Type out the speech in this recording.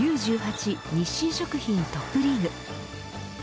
日清食品トップリーグ。